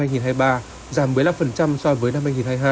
giảm một mươi năm so với năm hai nghìn hai mươi hai